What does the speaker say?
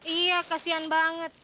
iya kasihan banget